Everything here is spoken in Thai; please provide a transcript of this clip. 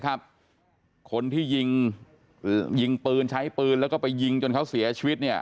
คนที่ยิงยิงปืนใช้ปืนแล้วก็ไปยิงจนเขาเสียชีวิต